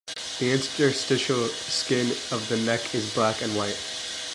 The interstitial skin of the neck is black and white.